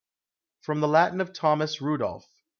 From the Latin of THOMAS RANDOLPH.